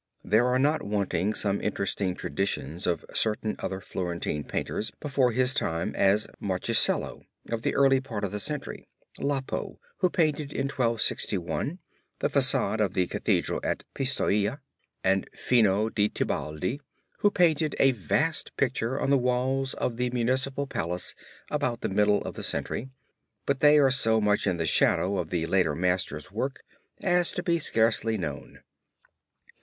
There are not wanting some interesting traditions of certain other Florentine painters before his time as Marchisello, of the early part of the century, Lapo who painted, in 1261, the facade of the Cathedral at Pistoia, and Fino di Tibaldi who painted a vast picture on the walls of the Municipal Palace about the middle of the century, but they are so much in the shadow of the later masters' work as to be scarcely known.